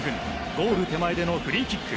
ゴール手前でのフリーキック。